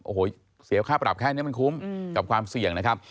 โอ้โหเสียค่าปรับแค่นี้มันคุ้มกับความเสี่ยงนะครับ